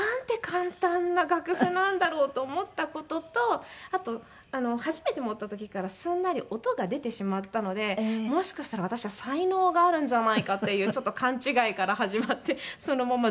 簡単な楽譜なんだろうと思った事とあと初めて持った時からすんなり音が出てしまったのでもしかしたら私は才能があるんじゃないかっていうちょっと勘違いから始まってそのままズルズルと。